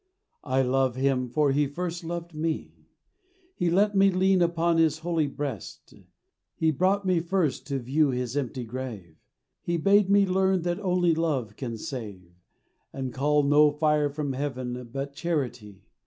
I love Him, for He first loved me. He let me lean upon His holy breast, He brought me first to view His empty grave; He bade me learn that only love can save, And call no fire from heaven but charity.